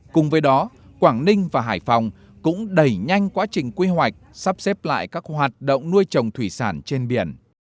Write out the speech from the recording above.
cùng với đó quảng ninh và hải phòng cũng đẩy nhanh quá trình quy hoạch sắp xếp lại các hoạt động nuôi trồng thủy sản trên biển